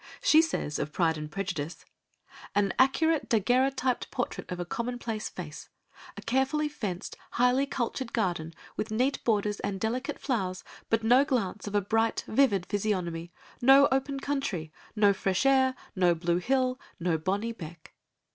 She says of Pride and Prejudice: "An accurate daguerreotyped portrait of a commonplace face; a carefully fenced, highly cultured garden, with neat borders and delicate flowers, but no glance of a bright vivid physiognomy, no open country, no fresh air, no blue hill, no bonny beck."